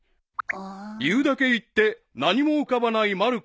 ［言うだけ言って何も浮かばないまる子］